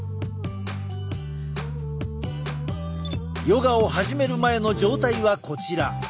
ヨガを始める前の状態はこちら。